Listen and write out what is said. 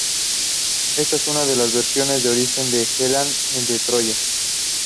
Ésta es una de las versiones del origen de Helena de Troya.